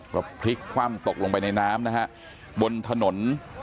ก็พลิกคว่ำตกลงไปในน้ำนะฮะบนถนน